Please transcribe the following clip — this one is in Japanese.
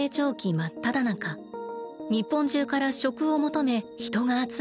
真っただ中日本中から職を求め人が集まった新宿。